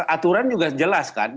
aturan juga jelas kan